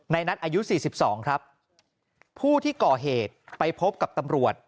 ในนัทอายุสี่สิบสองครับผู้ที่ก่อเหตุไปพบกับตำรวจ